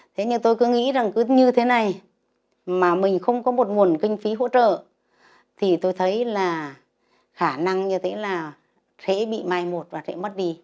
thế nhưng tôi cứ nghĩ rằng cứ như thế này mà mình không có một nguồn kinh phí hỗ trợ thì tôi thấy là khả năng như thế là sẽ bị mai một và sẽ mất đi